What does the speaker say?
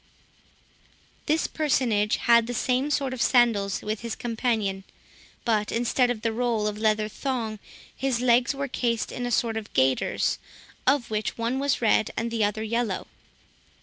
This personage had the same sort of sandals with his companion, but instead of the roll of leather thong, his legs were cased in a sort of gaiters, of which one was red and the other yellow.